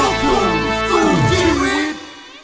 โน่งคุณสู้ชีวิต